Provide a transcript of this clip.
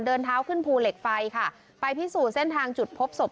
เดินเท้าขึ้นภูเหล็กไฟค่ะไปพิสูจน์เส้นทางจุดพบศพ